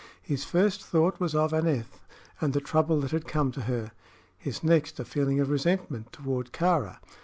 His first thought was of Aneth and the trouble that had come to her; his next a feeling of resentment toward Kāra.